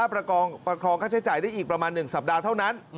ประคองค่าใช้จ่ายได้อีกประมาณ๑สัปดาห์เท่านั้น